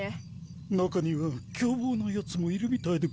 中には凶暴なヤツもいるみたいでゴワス。